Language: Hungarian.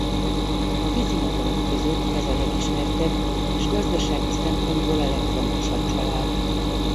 A vízimadarak között ez a legismertebb és gazdasági szempontból a legfontosabb család.